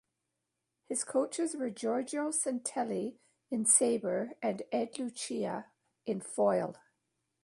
His coaches were Giorgio Santelli in sabre, and Ed Lucia in foil.